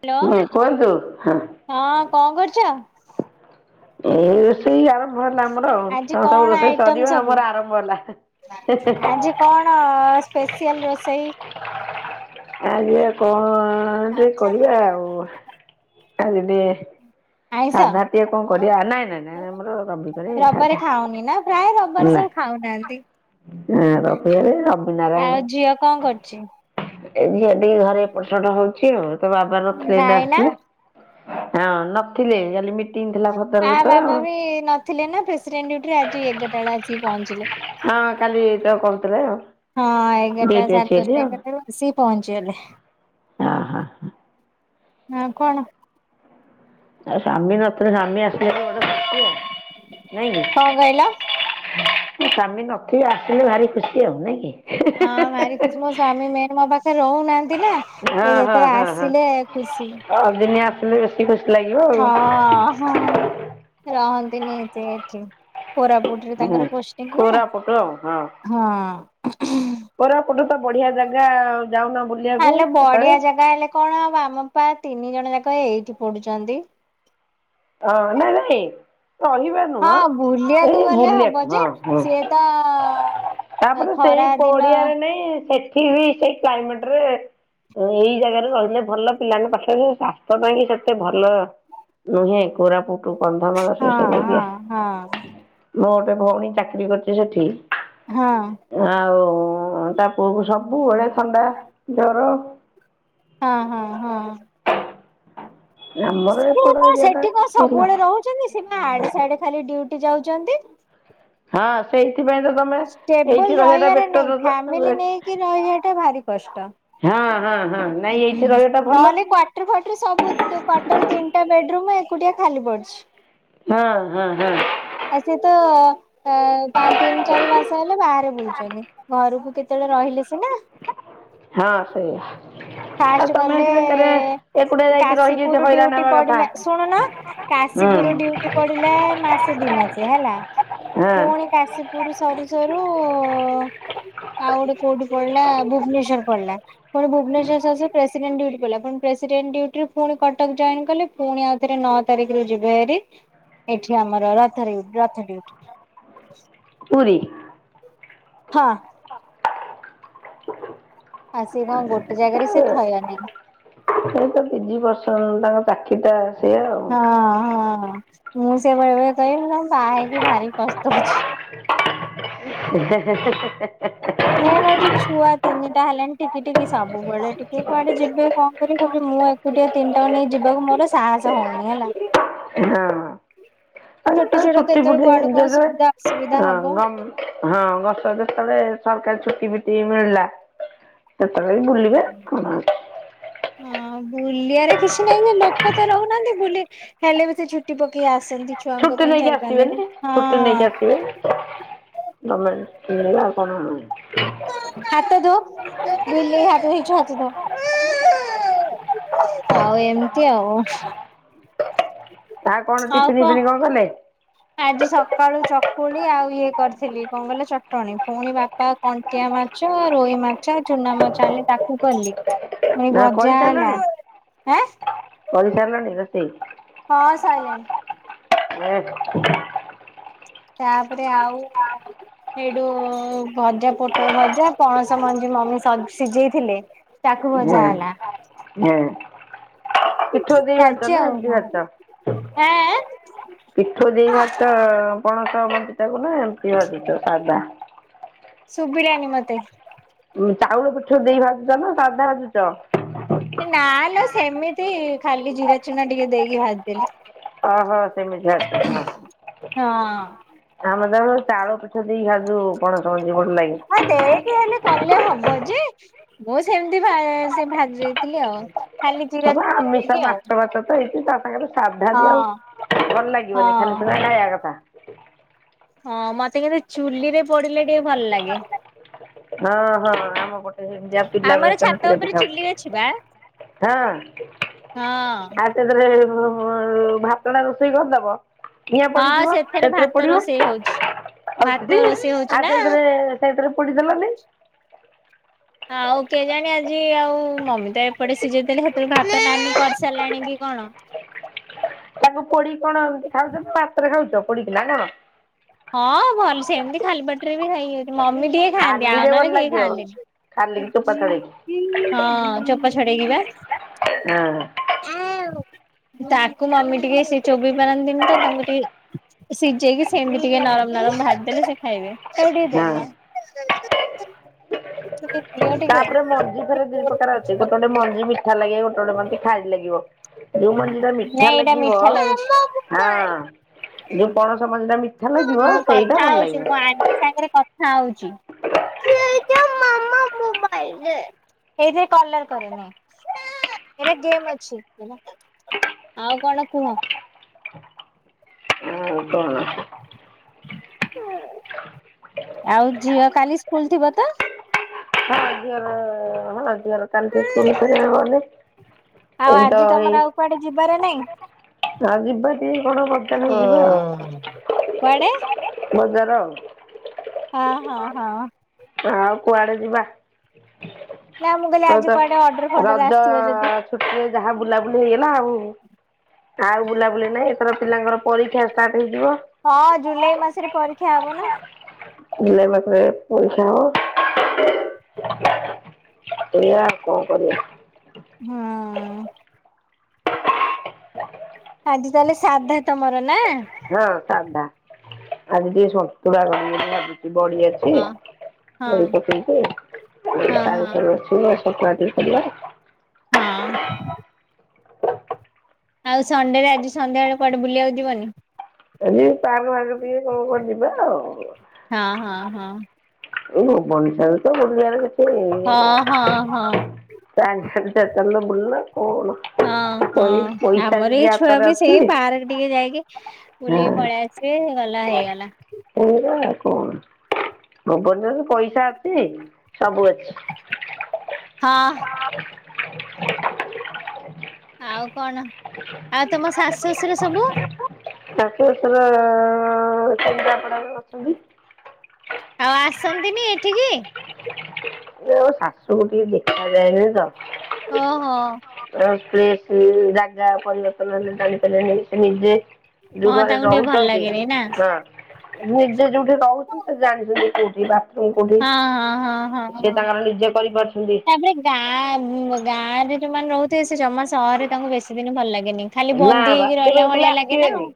Hello ହୁଁ କୁହନ୍ତୁ ହଁ ହଁ କଣ କରୁଛ? [unintelligible] ଆଉ ଆଜି ତମର ସବୁ କଣ ରୋଷେଇ ଆଇଟମ ସରିବ ସବୁ ଆମର ଆରମ୍ଭ ହେଲା। ଆଜି କଣ ସ୍ପେସିଅଲ ରୋଷେଇ? ଆଜି ଆଉ କଣ ହଁ ଟିକେ କରିବା ଆଉ। [unintelligible] ଆଇଁଷ? ସାଧା ଟିକେ କଣ କରିବା ନାଇଁ ନାଇଁ ନାଇଁ ଆମର ରବି ଵାରେ ରବିବାରେ ସାଧା ଖାଉନି ନା ପ୍ରାୟ ରବିବାରେ ସବୁ ଖାଉନାହାନ୍ତି। ରବିରେ ରବି ନାରାୟଣ ଆଉ ଝିଅ କଣ କରୁଛି? ଏ ଝିଅ ଟିକି ଘରେ ଏପଟ ସେପଟ ହଉଛି ଆଉ। ତା ବାବା ନଥିଲେ ଏଇନା ଭାଇନା ଆସିଲେ ହଁ ନଥିଲେ କାଲି ଥିଲା ଆ ଭଦ୍ରକରେ ତ ବାବା ବି ନଥିଲେ ନା ପ୍ରେସିଡେଣ୍ଟ ଡିଉଟିରେ ଆଜି ଏଗାରଟା ବେଳେ ଆସିକି ପହଞ୍ଚିଲେ ହଁ କାଲି ତ କହୁଥିଲେ ଆଉ ହଁ। ହଁ ଏଗାରଟା ଡ୍ୟୁଟି ଅଛି ବୋଲି ସାଡଦଶଟା ଆଉ ଏଗାରଟା ପହଞ୍ଚିଗଲେ। ହଁ ହ ହ। ହଁ କଣ? ଆଉ ସାମୀ ନତ ସାମୀ ଆସ [inaudible] କଣ କହିଲ? ସ୍ୱାମୀ ନଥିଵେ ଆସିଲେ ଭାରି ଖୁସି ଆଉ ନାଇଁ କି? ହଁ ଭାର ଖୁସୀ ମୋ ସ୍ଵାମୀ ମେ ମୋ ପାଖରେ ରହୁନାହାନ୍ତି ନା ହଁ ହଁ ଯେତେବେଳେ ହଁ ହଁ ଆସିଲେ ଖୁସି। ଅଦିନିଆ ଆସିଲେ ବେଶୀ ଖୁସି ଲାଗିବ ହଁ ଆଉ ହଁ ରହନ୍ତି । ଦିନି କୋରାପୁଟରେ ହୁଁ ତାଙ୍କର ପୋଷ୍ଟିଂ ନା କୋରାପୁଟ ହଁ। କୋରାପୁଟୁ ତ ବଢିଆ ଜାଗା ଆଉ। ହଲ ବଢିଆ ଜାଗା ହେଲେ କଣ ହବ ଆମ ତିନି ଜଣ ଯାକ ଏଇଠି ପଡୁଛନ୍ତି। ହଁ ନାଇଁ ନାଇଁ ରହିବା ହଁ ନୁହଁ ବୁଲିବାକୁ ଏଇ ଗଲେ ବୁଲିବାକୁ ହବ ଯେ ହଁ ହଁ ସିଏ ତ ଖରା ଦିନ ଟି ବି ସେଇ କ୍ଲାଇମେଟ୍ ରେ ଏଇ ଜାଗାରେ ରହିଲେ ଭଲ ପିଲାଙ୍କ ପାଖରେ ତା ପାଇଁ କି ସେତେ ଭଲ ନୁହେଁ। କୋରାପୁଟୁ, କନ୍ଧମାଳ ସେ ହଁ ସବୁ ହଁ ହଁ ଏବେ ଭଉଣୀ ଚାକିରି କରୁଛି ସେଠି ହଁ ଆଉ ଓଁ ତାପୁର୍ବରୁ ସବୁ ସବୁବେଳେ ଥଣ୍ଡା, ଜର [inaudible] ହଁ ହଁ ହଁ। ଆମର ସେ କଣ ଏପଟ ଏରିଆ ଟା ସେଠି କଣ ଭଲ ସବୁବେଳେ ରହୁଛନ୍ତି? ସେଵା ଆଡେ ସିଆଡେ ଖାଲି ଡିଉଟି ଯାଉଛନ୍ତି। ହଁ ସେଇ ଷ୍ଟେବୁଲ ରହିବାର ନାଇ ଫ୍ୟାମିଲି ବେଟର ନେଇକି ରହିବା ଟା ଭାରି କଷ୍ଟ। ହଁ ହଁ। ହଁ ନାଇଁ ଏଇଠି ରହିବାଟା ଭଲ ନହେଲେ କ୍ୱାଟର ଫାଟର ସବୁ କ୍ୱାଟର ତିନ ଟା ବେଡରୁୁମ୍ ଏକୁଟିଆ ଖାଲି ପଡିଛି। ହଁ ହଁ ହଁ। ଆ ସେତ ପାଞ୍ଚ, ତିନ, ଚାରି ମାସ ହେଲେ ବାହାରେ ବୁଲୁଛନ୍ତି। ଘରକୁ କେତେବେଳେ ରହିଲେ ସିନା। ହଁ ସେଇଆ। ଆଉ ଫାଷ୍ଟ ତମେ ଗଲେ ହେଇଠି ବେକାରେ ଏକୁଟିଆ ଯାଇକି ରହିକି ଏତେ କାଶୀପୁର ହଇରାଣ ଡିଉଟି ହେବା କଥା। ପଡିଲା ଶୁଣୁନ ହୁଁ କାଶୀପୁର ଡିଉଟି ପଡିଲା ମାସେ ଦି ମାସେ ହେଲା। ହଁ ପୁଣି କାଶୀପୁର ସରୁ ସରୁ ରୁ ଆଉ ଗୋଟେ କୋଉଠି ପଢିଲା ଭୁବନେଶ୍ୱର ପଢିଲା। ପୁଣି ଭୁବନେଶ୍ୱର ତ ସେ ପ୍ରେସିଡେଣ୍ଟ ଡିଉଟିରେ ପୁଣି କଟକ ଜଏନ୍ କଲେ। ପୁଣି ଆଉଥରେ ନଅ ତାରିଖରେ ଯିବେ ହେରି ଏଠି ଆମର ରଥ ରଥ ଡିଉଟି। ପୁରୀ। ହଁ। ଆ ସେ କଣ ଗୋଟେ ଜାଗାରେ ସେ ଥୟ ନାହିଁ। ତିନି ବର୍ଷ ହେଲା ତାଙ୍କ ଚାକିରିଟା ହଁ ହଁ। ମୁଁ ସେୟା ବେଳେ ବେଳେ କହେ ତମକୁ ବାହା ହେଇକି ଭାରିକଷ୍ଟ ହଉଛି। ହେ ହେ ହେ ହେ ହେ ମେନ ହଉଛି ଛୁଆ ତିନିଟା ହେଲାଣି ଟିକିଟିକି ସବୁବେଳେ ଟିକେ କୁଆଡେ ଯିବେ କଣ କରବେ। ମୁଁ ଏକୁଟିଆ ତିନିଟାକୁ ନେଇ ଯିବାକୁ ମୋର ସାହସ ହଉନି ହେଲା। [unintelligible] ଛୋଟ ଛୋଟ ଛୁଟି କେତେବେଳେ କୁଆଡେ କଣ ଫୁଟିରେ ସୁବିଧା ହଁ ଅସୁବିଧା ହବ। [unintelligible] ଯେତେଳେ ସରକାର ଛୁଟି ଫୁଟି ମିଳିଲା ସେତେବେଳେ ବି ବୁଲିବେ କଣ ଅଛି? ହଁ ବୁଲିବାରେ କିଛି ନାହିଁ ଯେ, ଲୋକ ତ ରହୁନାହାନ୍ତି ବୁଲି ହେଲେ ବି ସେ ଛୁଟି ପକେଇକି ଆସନ୍ତି। ଛୁଆଙ୍କ ଛୁଟି ପାଇଁ ନେଇକି ଚାରି ପାଞ୍ଚ ଦିନ ଆସିବେନି, ଛୁଟି ନେଇକି ଆସିବେ। ହଁ। ଗଭର୍ନମେଣ୍ଟ୍ [unintelligible] [inaudible] ହାତ ଧୋ ବିଲେଇ ହାତ ହେଇଛୁ, ହାତଧୋ, ଆଉ ଏମତି ଆଉ ତା କଣ ଟିଫିନ ଫିପିନି କଣ ଦେଲେ? ଆଜି ସକାଳୁ ଚକୁଳି ଆଉ ଇଏ କରିଥିଲି କଣ କହିଲ ଚଟଣୀ ପୁଣି ବାପା କଣ୍ଟିଆ ମାଛ, ରୋହି ମାଛ, ଚୁନାମାଛ, ଆଣିଲେ ତାକୁ କଲି। ପୁଣି ନା ଭଜା ହେଲା। କରିସାରିଲଣି ଆଁ କରିସାରିଲଣି? [inaudible] ହଁ ସାଇଲାଣି। [inaudible] ତାପରେ ଆଉ ସେଇଠୁ ଭଜା, ପୋଟଳ ଭଜା, ପଣସ ମଞ୍ଜି ମମି ସିଝେଇଥିଲେ ତାକୁ ହୁଁ ଭଜା ହେଲା ହୁଁ। ଚାଲିଛି [unintelligible] ଆଉ ତାକୁ ଆଁ ନା ଏମିତି ଭାଜୁଛ ସାଧା? ସୁବିଲାନି ମତେ? ଚାଉଳ ପିଠଉ ଦେଇ ଭାଜୁଚ ନା ସାଧା ଭାଜୁଚ? ନା ଲ ସେମିତି ଖାଲି ଜିରା ଚୁନା ଟିକେ ଦେଇକି ଭାଜିଦେଲି। ଓହୋ ସେମିତି ଭାଜୁଚ ହଁ। ହଁ। ଆମେ ତ ଚାଳ ପିଠଉ ଦେଇ ଭାଜୁ ପଣସ। ମଞ୍ଜି ଭଲ ଲାଗେ। ହଁ ଦେଇକି ହେଲେ କଲେ ହବ ଯେ ମୁଁ ସେମିତି ଭା ସେ ଭାଜିି ଦେଇଥିଲି ଆଉ। ଖାଲି ଜିରା ସବୁ ଚୁନା ଆମିସ ଦେଇକି ଆଉ ମାସ ବାଛ ତ। [inaudible] ତାଙ୍କ ସାଧା ହଁ ବି ଆଉ ଭଲ ଲାଗିବନି ଖାଲି ହଁ। ତ [inaudible] କଥା। ହଁ ମତେ କେତେ ଚୁଲି ରେ ପୋଡିଲେ ଟିକେ ଭଲ ଲାଗେ। ହଁ ହଁ ଆମ ପଟେ ସେମିତିଆ ପିିଲା ବେଳେ ଆମର ଛାତ ସେମିତି ଉପରେ ପିଠା ହଁ। ଚୁଲି ଅଛି ବା [unintelligible] ହଁ ଭାତଟା ରୋଷେଇ କରିଦବ କିଆ ହଁ ପଡିଯିବ ସେଥିରେ ଭାତ ପଡିବ ରୋଷେଇ ହଉଛି ହଉ ଭାତ ରୋଷେଇ ହଉଛି ଆ ନା ସେଇଥିରେ ସେଇଥିରେ [inaudible] ଆଉ କେଜାଣି ଆଜି ଆଉ ମମି ତ ଏପଟେ ସିଝେଇଥିଲେ ସେଥିରୁ କରିସାରିଲାଣି କି କଣ। [inaudible] ତାକୁ ପୋଡି କଣ ଏମିତି ଖାଉଛ ନା ଭାତରେ ଖାଉଛ? ପଡ଼ିିକି ନା କଣ? ହଁ ଭଲ ସେମିତି ଖାଲି ପାଟିରେ ବି। [unintelligible] ମମି ଟିକେ ଖାଆନ୍ତି ଆଉ ଖାଲିରେ ନହେଲେ ଭଲ କେହି ଲାଗିବ ଖାଲିକି ଚୋପା ଖାଆନ୍ତିନି। ଛଡ଼େଇକି [inaudible] ହଁ ଚୋ ଛଡ଼େଇକିବା ହୁଁ। [inaudible] ତାକୁ ମମି ଟିକେ ସେ ଚୋବେଇ ପାରନ୍ତିନି ତ ତାଙ୍କୁ ଟିକେ ସିଝେଇକି ସେମିତି ଟିକେ ନରମ ନରମ ଭାଜି ଦେଲେ ସେ ଖାଇବେ ହଁ । [inaudible] ତାପରେ ମଞ୍ଜି ଫେରେ ଦି ପ୍ରକାର ଅଛି ଗୋଟେ ଗୋଟେ ଟିକେ ମଞ୍ଜି ମିଠା ଲାଗେ ଗୋଟେ [unintelligible] ଲାଗିବ। ଯୋଉ ମଞ୍ଜିଟା ମିଠା ନାଇଁ ଏଇଟା ଲାଗିବ ମିଠା ଲାଗୁଛି। ହଁ ଯୋଉ ପଣସ ମଞ୍ଜିଟା ମି ଖାନ ଯିବ ସେଇଟା ଭଲ ଲାଗିବ। ଖାଉଚି। [unintelligible] ଆଉ କଣ କୁହ। ଆଉ କ'ଣ [inaudible] ଆଉ ଝିଅ କାଲି ସ୍କୁଲ ଜିବ ତ। ହଁ ଝିଅର ଆଉ ଆଜି ତମର ଆଉ କୁଆଡେ [unintelligible] ଆଜି ବା ହାଲୋ। କୁଆଡେ? ବଜାର ଆଉ। ହଁ ହଁ ହଁ। ଆଉ କୁଆଡେ ଯିବା। ନା ମୁଁ କହିଲି ତ ଆଜି ତ କୁଆଡେ ଅର୍ଡର ଫର୍ଡର ରଜ ଆସିଥିବ ଯଦି ଛୁଟିରେ ଯାହା ବୁଲାବୁଲି ହେ ନା ଆଉ ଆଉ ବୁଲାବୁଲି ନାଇଁ। ପିଲାଙ୍କର ପରୀକ୍ଷା ଷ୍ଟାର୍ଟ ହେଇଯିବ। ହଁ ଜୁଲାଇ ମାସରେ ପରୀକ୍ଷା ହବ ନା। ଜୁଲାଇ ମାସରେ ପରିକ୍ଷା ହବ। ଏଇଆ ଆଉ କଣ କରିବା। ହୁଁ। ଆଜି ତାହେଲେ ସାଧା ତମର ନା। ହଁ ସାଧା। ଆଜି ଟିକେ ସନ୍ତୁଳା କରିବି ବୋଲି ଭାବୁଛି। ବଡି ଅଛି। ହଁ ହଁ। ବଡି ହଁ ପକେଇକି ହଁ ସାରୁଟେ ଅଛି। ସନ୍ତୁଳା ଟିକେ କରିବା। ହଁ ଆଉ ସଣ୍ଡେ ରେ ଆଜି ସନ୍ଧ୍ୟାବେଳ କୁଆଡେ ବୁଲିବାକୁ ଯିବନି? ଆଜି। ତାର ଭାଗ ଟିକେ କଣ କୁଆଡେ ଯିବା ଆଉ। ହଁ ହଁ ହଁ ଏଇ ଭୁବନେଶ୍ବର ତ ଗୋଟେ ଜାଗାରେ। ହଁ ହଁ ହଁ। ସିଆଡେ ଚାଲୁନ ବୁଲନ। ହଁ ହଁ ଆମର ଯଦି ଏଇ ଛୁଆ ହାତରେ ବି ଅଛି ସେଇ ପାର୍କ ଟିକେ ଯାଇକି ବୁଲିକି ପଳେଇ ଆସିବେ। ଖୋଲା ହେଇଗଲା। ଏଇଆ ଆଉ କଣ ଜୀବନରେ ଯଦି ପଇସା ଅଛି ସବୁ ଅଛି। ହଁ। [unintelligible] ଆଉ କଣ। ଆଉ ତମ ଶାଶୁ ଶଶୁର ସବୁ। ଶାଶୁ ଶ୍ୱଶୁର ଅ କେନ୍ଦ୍ରାପଡ଼ା ରେ ଅଛନ୍ତି। ଆଉ ଆସନ୍ତିନି ଏଠିକି? ଆଉ ଶାଶୁକୁ ଟିକେ ଦେଖାଯାଏନି ତ ଓ ହୋ। ସେ ସିଏ ଜାଗା ପରିବର୍ତନ ହେଲେ ଚଳି ପାରିବେନି ସେ ନିଜେ ଯୋଉ ହଁ ଘରେ ତାଙ୍କୁ ଟିକେ ଭଲ ରହୁଛନ୍ତି ଲାଗେନି ନା ହଁ। ନିଜେ ଯୋଉଠି ରହୁଚୁ ସେ ଜାଣିଛନ୍ତି କୋଉଠି ବା ମୁଁ କୋଉଠି ହଁ ହଁ ହଁ ହଁ ସେ ହଁ ତାଙ୍କର ନିଜେ କରିପାରୁଚ ତାପରେ ଗାଁ ଗାଁରେ ଯଉଁମାନେ ରହୁଥିବ ସେ ଜମା ସହରରେ ତାଙ୍କୁ ବେଶୀ ଦିନ ଭଲ ଲାଗ ଖାଲି ନା ବନ୍ଦୀ ବା ହେଇକି ସେ ରହିଲା ଭଳିଆ ବିଲକୁଲ ଲାଗେ ନା ଆଉ ଆସିବେନି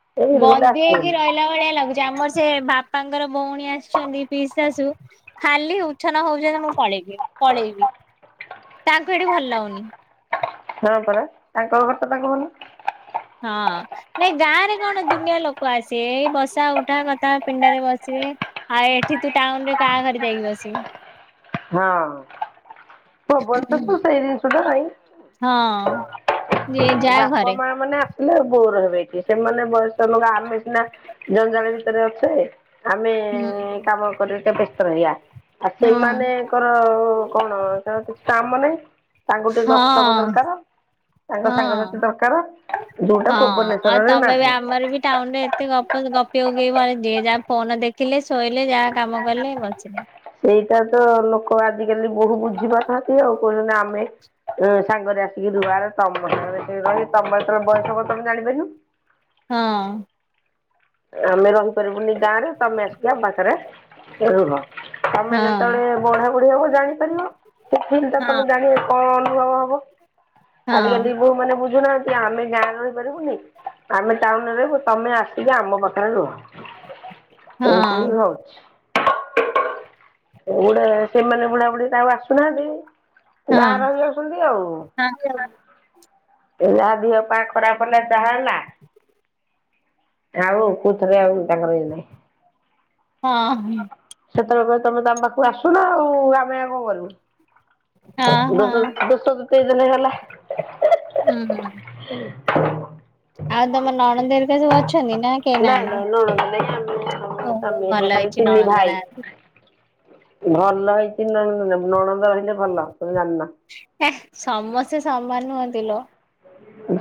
ସେ ବିଲକୁଲ ବନ୍ଦୀ ହେଇକି ଆସିବେନି ରହିଲା ଭଳିଆ ଲାଗୁଚି ଆମର ସେ ବା ବାପାଙ୍କର ଭଉଣୀ ଆସିଚନ୍ତି ପି ଶାଶୁ ଖାଲି ଉଚ୍ଛନ ହୋଉଛନ୍ତି ମୁଁ ପଳେଇବି। ପଳେଇବି। ତାଙ୍କୁ ଏଠି ଭଲ ଲାଗୁନି। ତାଙ୍କର ତାଙ୍କର କଥାଟା କନି ହଁ ନାଇଁ ଗାଁ ରେ କଣ ଦୁନିଆ ଲୋକ ଆସିବେ ବସା ଉଠା କଥା ପିଣ୍ଡରେ ବସିବେ ଆଉ ଏଠି ତୁ ଟାଉନୁରେ କାହାଘରେ ଯାଇକି ବସିବୁ। ହଁ। ସବୁଆଡ଼େ ସେତ ସେଇ ଜିନିଷ ଟା ନାଇଁ ହଁ ଯେ ଯାହା ବାପା ଘରେ। ମା ମାନେ ଆସିଲେ ବୋର ହେ ସେମାନେ ବୟସ୍କ ଲଙ୍କ ଆେ ସିନା ଜଣେ ଜଣେ ଭିତରେ ଅଛେ। ଆମେ ହୁଁ କାମ କରେତ ପେ ରହିଆ ଆଉ ହଁ ସେମାନେ ନାଇଁ ଆଙ୍କର କଣ ତାଙ୍କର କିଛି କାମ ନାହିଁ ତାଙ୍କୁ ଟିକେ ହଁ ଗପସପ ଦରକାର ତାଙ୍କ ସାଙ୍ଗସାଥି ହଁ। ଦରକାର ଯୋଉଟା ହଁ ଆଉ ଭୁବନେଶ୍ୱରରେ ତମେ ନାହିଁ। ତେଣୁ କିଏ ଘରେ ଯିଏ ଯାହା ଫୋନ ଦେଖିଲେ ଶୋଇଲେ ଯାହା କାମ କଲେ ବସିଲେ। ସେଇଟା ତ ଲୋକ ଆଜିକାଲି ବୋହୁ ବୁଝି ପାରୁନାହାନ୍ତି ଆଉ କହୁଛନ୍ତି ଆମେ ସାଙ୍ଗରେ ଆସିକି ଲୁଆରେ ତମ ସାଙ୍ଗରେ ରହିବ ତମର ଯେତେବେଳେ ବୟସ ହବ ତମେ ଜାଣିପାରିବୁ। ହଁ। ଆମେ ରହୁ ପାରିବୁନି ଗାଁ ରେ ତମେ ଆସିକି ଆମ ପାଖରେ ରହ ତମେ ହଁ ଯେତେବେଳେ ବୁଢ଼ା ବୁଡ଼ି ହବ ଜାଣିପାରିଲ ତମେ ହଁ ଜାଣିବ କଣ କିଆଉ ହବ କାଲି ହଁ ଯଦି ବୋଉ ମାନେ ବୁଝି ନାହାନ୍ତି ଆମେ ଗାଁରେ ରହିପାରିବୁନି ଆମେ ଟାଉନୁରେ ରହିବ ତମେ ଆସିବ ଆମ [unintelligible] ଏମତି ହଁ ହି ହୋଉଚି ଉଡେ ସେମାନେ ବୁଢାବୁଢୀ ଆଉ ଆସୁନାହାନ୍ତି। ହଁ ଗାଁ ରହି ଯାଉଛନ୍ତି ଆଉ। ହଁ ହଁ ଏଇ ଆ ଦିହ ପା ଖରାପ ହେଲା ତାହା ହେଲା। ଆଉ କଉଥରେ ଆଉ ତାଙ୍କର ଇଏ ନାହିଁ। ହଁ। ସେତେବେଳେ କହିବେ ତମେ ତ ଆମ ପାଖକୁ ଆସୁନ ଆଉ, ଆମେ ଆଉ କଣ କରିବୁ? ହଁ ଦଶ ଦଶ ଦ ତେଇଶି ଦିନଗଲା [inaudible] [inaudible] ହୁଁ। ଆଉ ତମ ନଣନ୍ଦ ହେରିକା ସବୁ ଅଛନ୍ତି ନା କେହି ନାଇଁ ନାହାନ୍ତି, ନାଇଁ ନଣନ୍ଦ ନାଇଁ ଆମେ ଆମ ଓହୋ ସ୍ୱାମୀ ହେରିକା ଭଲ ଖାଲି ହେଇଛି। ନା ତିନି ଭାଇ। ଭଲରେ ଆସି ଭଲ ହେଇଛି ନଣନ୍ଦ । ନଣନ୍ଦ ଆଇଲେ ଭଲ ତମେ ଜାଣିନ । ସମସ୍ତେ ସମାନ ନୁହଁନ୍ତିଲୋ।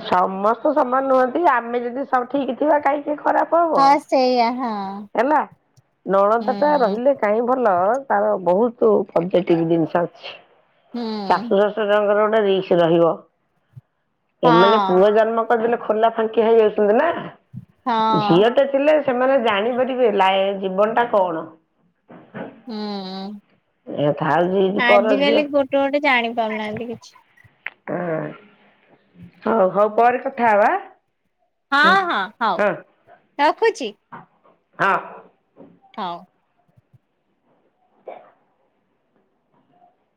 ସମସ୍ତେ ସମାନ ନୁହନ୍ତି ଆମେ ଯଦି ସବୁ ଠିକ ଥିବା କାଇଁ ଖରାପ ହବ ହଁ ସେଇଆ ହଁ ହେଲା ନଣନ୍ଦଟା ହୁଁ ରହିଲେ କାହିଁ ଭଲ । ନଣନ୍ଦ ତାର ବହୁତ ପଜେଟିଭ ଜିନିଷ ଅଛି । ହୁଁ ଶାଶୁ ଶଶୁୁର ଙ୍କର ତା ରିକ୍ସ ରେ ରହିବ । ଏମାନେ ହଁ ପୁଅ ଜନ୍ମ। ପଦେଲୋ ଖୋଲା ଫାଙ୍କିଆ ହେଇ ଯାଉଛନ୍ତି ନା । ହଁ। ଝିଅଟେ ଥିଲେ ସେମାନେ ଜାଣିପାରିବେ ଲାଇ ଜୀବନ ଟା କଣ? ହୁଁ। ଏ ଥାଉ ଝିଅଟି ପର ଝିଅ ଆଜିକାଲି ଗୋଟେ ଗୋଟେ ଜାଣି ପାରୁନାହାନ୍ତି କିଛି। ହ ହଉ ହଉ ପରେ କଥା ହବା । ହଁ ହଁ ହଉ ରଖୁଛି । ହଁ। ହଉ।